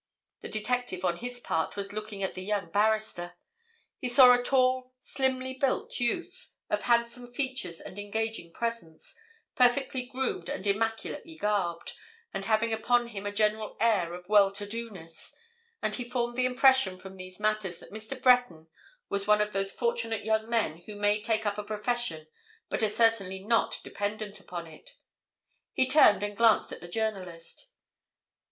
The detective, on his part, was looking at the young barrister. He saw a tall, slimly built youth, of handsome features and engaging presence, perfectly groomed, and immaculately garbed, and having upon him a general air of well to do ness, and he formed the impression from these matters that Mr. Breton was one of those fortunate young men who may take up a profession but are certainly not dependent upon it. He turned and glanced at the journalist.